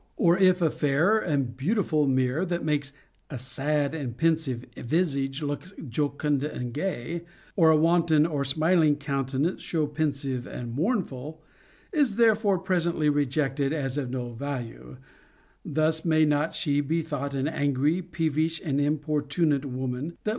Or, if a fair and beautiful mirror that makes a sad and pensive visage look jocund and gay, or a wanton or smil ing countenance show pensive and mournful, is therefore presently rejected as of no value ; thus may not she be thought an angry, peevish, and importunate woman, that CONJUGAL PRECEPTS.